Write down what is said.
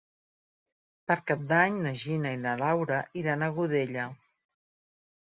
Per Cap d'Any na Gina i na Laura iran a Godella.